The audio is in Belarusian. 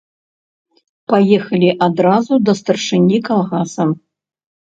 Паехалі адразу да старшыні калгаса.